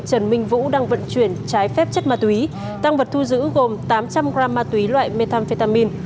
trần minh vũ đang vận chuyển trái phép chất ma túy tăng vật thu giữ gồm tám trăm linh gram ma túy loại methamphetamin